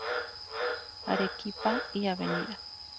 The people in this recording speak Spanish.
Arequipa y Av.